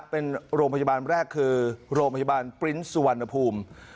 เป็นโรงพยาบาลแรกคือโรงพยาบาลปริ้นต์สุวรรณภูมิ